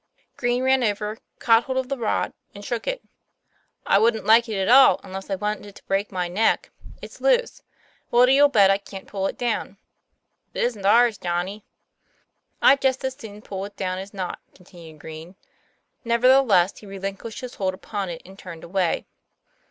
Green ran over, caught hold of the rod and shook it. " I wouldn't like it at all, unless I wanted to break my neck; it's loose. What'll you bet I can't pull it down?" 'It isn't ours, Johnnie." "I'd just as soon pull it down as not," continued Green. Nevertheless, he relinquished his hold upon it, and turned away.